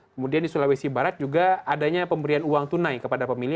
kemudian di sulawesi barat juga adanya pemberian uang tunai kepada pemilih